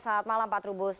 selamat malam pak trubus